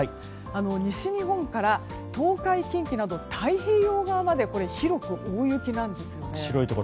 西日本から東海、近畿など太平洋側まで広く大雪なんですね。